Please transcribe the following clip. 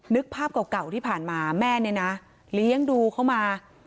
นึกภาพเก่าที่ผ่านมาแม่เนี่ยนะเลี้ยงดูเขามา